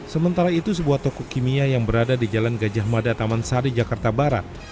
sementara itu sebuah toko kimia yang berada di jalan gajah mada taman sari jakarta barat